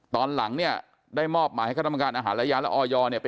ตอนหลังได้มอบมาให้กระจำการอาหารรายญา